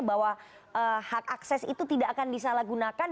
bahwa hak akses itu tidak akan disalahgunakan